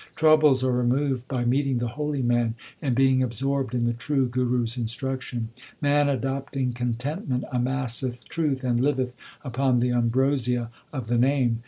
Troubles are removed by meeting the holy man, and being absorbed in the true Guru s instruction. Man adopting contentment amasseth truth, and liveth upon the ambrosia of the Name.